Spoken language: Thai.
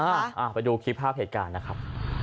อ้าาไฟดูภาพเหตุการณ์นะครับ